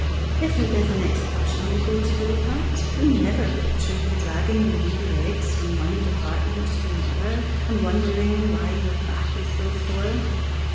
If it is an exhibition you go to gape at, we never picture you dragging your weary legs from one department to another, and wondering why your back is so sore.